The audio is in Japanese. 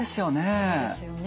そうですよね。